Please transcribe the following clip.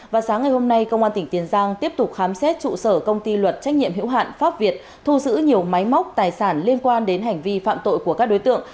và sáng ngày hôm nay công an tỉnh tiền giang tiếp tục khám xét trụ sở công ty luật trách nhiệm hữu hạn pháp việt thu giữ nhiều máy móc tài sản liên quan đến hành vi phạm tội của các đối tượng